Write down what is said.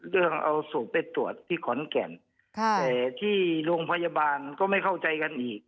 เรื่องเอาศพไปตรวจที่ขอนแก่นแต่ที่โรงพยาบาลก็ไม่เข้าใจกันอีก